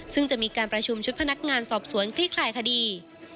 ซึ่งจะมีการประชุมชุดพนักงานสอบสวนคลี่คลายคดี